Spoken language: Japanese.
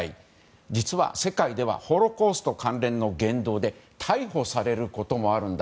実は世界ではホロコースト関連の言動で逮捕されることもあるんだ。